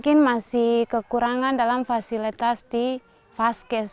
kami masih kekurangan dalam fasilitas di fasket